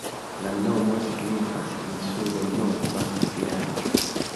La nomo signifas insulo-nova-vilaĝo.